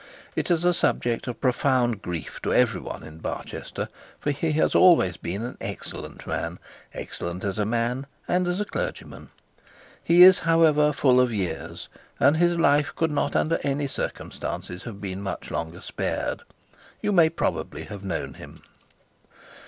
It is a subject of profound grief to every one in Barchester, for he has always been an excellent man excellent as man and as a clergyman. He is, however, full of years, and his life could not under any circumstances have been much longer spared. You may probably have known him.